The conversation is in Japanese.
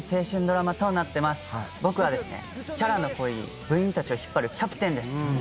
僕はですねキャラの濃い部員たちを引っ張るキャプテンです。